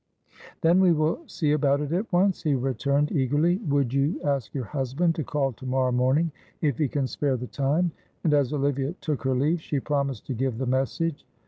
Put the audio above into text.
"Then we will see about it at once," he returned, eagerly. "Would you ask your husband to call to morrow morning if he can spare the time?" And as Olivia took her leave she promised to give the message.